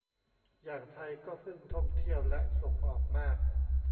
อย่างไทยก็พึ่งท่องเที่ยวและส่งออกมาก